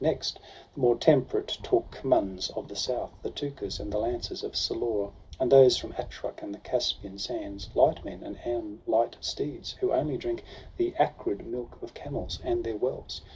Next, the more temperate Toorkmuns of the south, The Tukas, and the lances of Salore, And those from Attruck and the Caspian sands ; Light men, and on light steeds, who only drink The acrid milk of camels, and their wells.